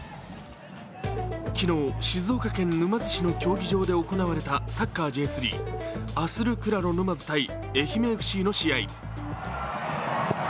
昨日、静岡県沼津市の競技場で行われたサッカーＪ３、アスルクラロ沼津×愛媛ＦＣの試合。